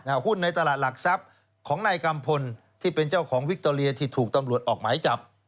หุ้นในตลาดหลักทรัพย์ของนายกัมพลที่เป็นเจ้าของวิคโตเรียที่ถูกตำรวจออกหมายจับ